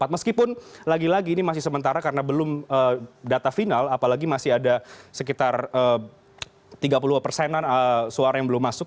meskipun lagi lagi ini masih sementara karena belum data final apalagi masih ada sekitar tiga puluh persenan suara yang belum masuk